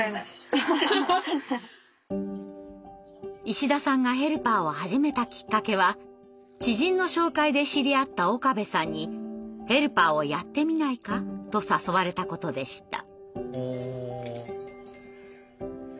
石田さんがヘルパーを始めたきっかけは知人の紹介で知り合った岡部さんに「ヘルパーをやってみないか」と誘われたことでした。